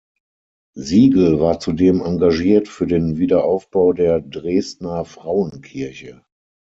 Siegel war zudem engagiert für den Wiederaufbau der Dresdner Frauenkirche.